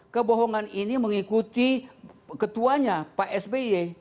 kebohongan ini mengikuti ketuanya pak sby